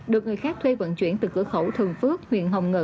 được người khác thuê vận chuyển từ cửa khẩu thường phước huyện hồng ngự